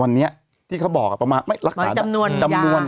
วันนี้ที่เขาบอกประมาณ